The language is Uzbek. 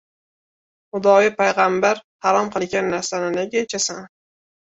— Xudoyu payg‘ambar harom qilgan narsani nega ichasan?